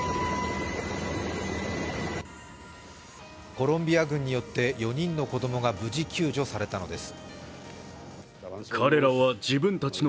コロンビア軍によって４人の子供が無事救助されたのです。